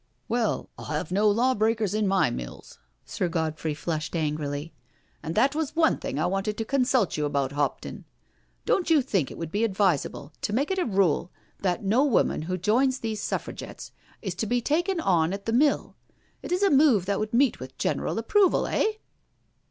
'*" Well, ril have no law breakers in my mills "—Sir Godfrey flushed angrily —" and that was one thing I wanted to consult you about, Hopton. Don't you think it would be advisable to make it a rule that no woman who joins these Suffragettes is to be taken on at the mill? It is a move that would meet with general ap proval, eh?"